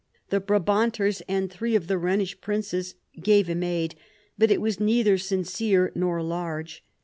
The Brabanters and three of the Ehenish princes gave him aid, but it was neither sincere nor large.